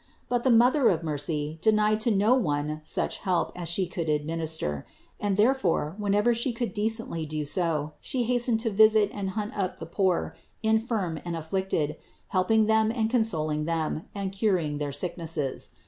But the Mother of mercy denied to no one such help as She could administer; and therefore, whenever She could decently do so, She hastened to visit and hunt up the poor, infirm and afflicted, helping them and consoling them, and curing their sicknesses.